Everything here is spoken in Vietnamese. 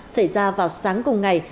xảy ra vào sáng cùng ngày